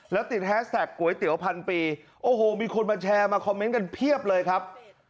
แล้วติดแฮสแท็กก๋วยเตี๋ยวพันปีโอ้โหมีคนมาแชร์มาคอมเมนต์กันเพียบเลยครับ